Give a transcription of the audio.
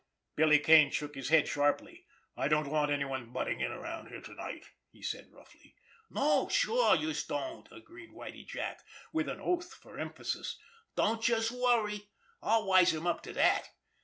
Billy Kane shook his head sharply. "I don't want anybody butting in around here to night!" he said roughly. "No, sure, youse don't!" agreed Whitie Jack, with an oath for emphasis. "Don't youse worry, I'll wise 'em up to dat.